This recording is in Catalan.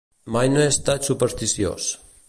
Mai no he estat supersticiós.